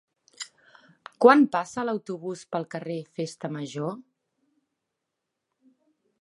Quan passa l'autobús pel carrer Festa Major?